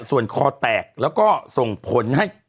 ส่วนคอแตกแล้วก็ส่งผลให้